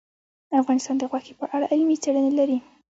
افغانستان د غوښې په اړه علمي څېړنې لري.